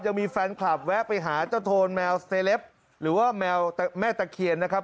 ยังมีแฟนคลับแวะไปหาเจ้าโทนแมวสเตเล็ปหรือว่าแมวแม่ตะเคียนนะครับ